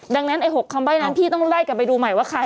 ดังนั้นไอ้๖คำใบ้นั้นพี่ต้องไล่กลับไปดูใหม่ว่าใคร